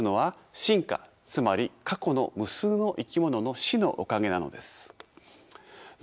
つまり過去の無数の生き物の死のおかげなのです。